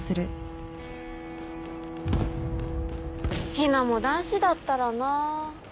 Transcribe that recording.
ヒナも男子だったらなぁ。